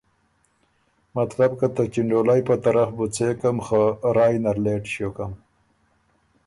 ”مطلب که ته چنډولئ په طرف بُو څېکم خه رائ نر لېټ ݭیوکم،